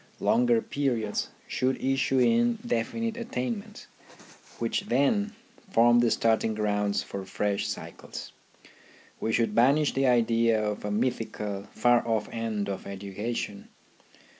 Longer periods should issue in definite attainments, which then form the starting grounds for fresh cycles. We should banish the idea of a mythical, far off end of education.